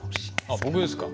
あっ僕ですか？